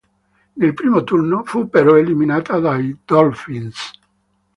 Nel primo turno fu però eliminata dai Dolphins.